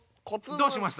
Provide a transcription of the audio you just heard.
どうしました？